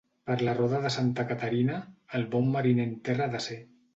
Per la roda de Santa Caterina, el bon mariner en terra ha de ser.